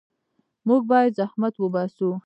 موږ باید زحمت وباسو.